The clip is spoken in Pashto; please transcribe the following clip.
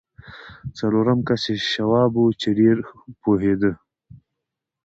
څلورم کس یې شواب و چې ډېر پوهېده